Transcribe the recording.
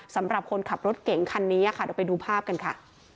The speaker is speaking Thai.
สำหรับคนขับรถเก่งคันนี้ค่ะเดี๋ยวไปดูภาพกันค่ะ